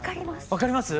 分かります？